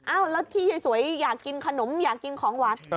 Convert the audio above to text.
แล้วที่ยายสวยอยากกินขนมอยากกินของหวาน